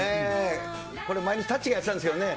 これ、毎日たっちがやってたんですよね。